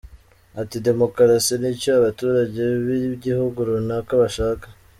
Ati “Demokarasi ni icyo abaturage b’igihugu runaka bashaka.